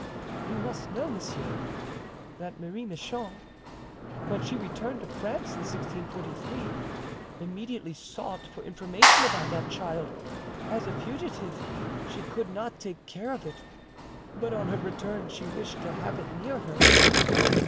"You must know, monsieur, that Marie Michon, when she returned to France in 1643, immediately sought for information about that child; as a fugitive she could not take care of it, but on her return she wished to have it near her."